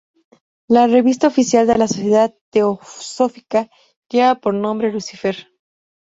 La revista oficial de la Sociedad Teosófica lleva por nombre "Lucifer".